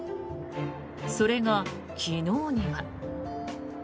それが昨日には。